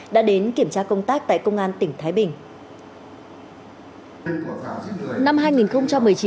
đã đến kiểm tra công tác tại công an tỉnh thái bình